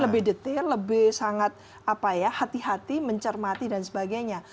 lebih detail lebih sangat hati hati mencermati dan sebagainya